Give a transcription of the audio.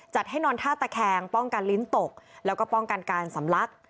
ให้นอนท่าตะแคงป้องกันลิ้นตกแล้วก็ป้องกันการสำลัก